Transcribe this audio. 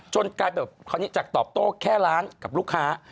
กลายแบบคราวนี้จากตอบโต้แค่ร้านกับลูกค้า